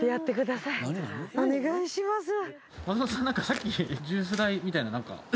さっきジュース代みたいな。